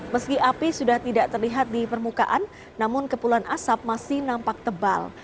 meski api sudah tidak terlihat di permukaan namun kepulan asap masih nampak tebal